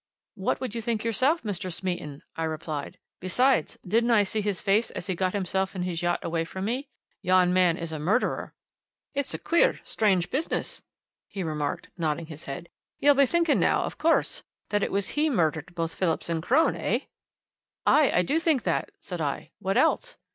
"What would you think yourself, Mr. Smeaton?" I replied. "Besides didn't I see his face as he got himself and his yacht away from me? Yon man is a murderer!" "It's a queer, strange business," he remarked, nodding his head. "You'll be thinking now, of course, that it was he murdered both Phillips and Crone eh?" "Aye, I do think that!" said I. "What else?